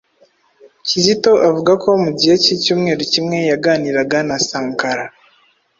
Kizito avuga ko mu gihe cy'icyumweru kimwe, yaganiraga na 'Sankara'